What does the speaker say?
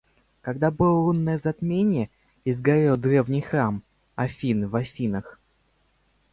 когда было лунное затмение и сгорел древний храм Афины в Афинах